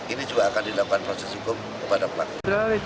ini juga akan dilakukan proses hukum kepada pelaku